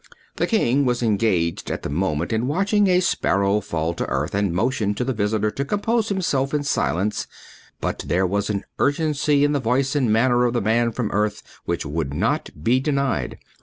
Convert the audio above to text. The king was engaged at the moment in watching a sparrow fall to earth and motioned the visitor to compose himself in silence, but there was an urgency in the voice and manner of the man from earth which would not be denied.